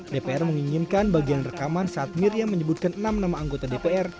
dpr menginginkan bagian rekaman saat miriam menyebutkan enam nama anggota dpr